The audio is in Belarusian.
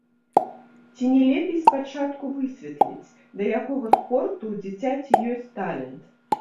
Ці не лепей спачатку высветліць, да якога спорту ў дзіцяці ёсць талент?